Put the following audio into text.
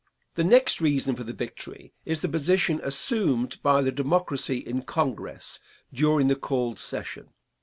The next reason for the victory is the position assumed by the Democracy in Congress during the called session.